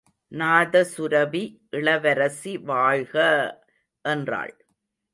நாதசுரபி இளவரசி வாழ்க! என்றாள்.